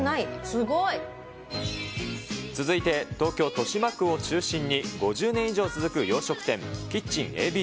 すごい。続いて、東京・豊島区を中心に５０年以上続く洋食店、キッチンＡＢＣ。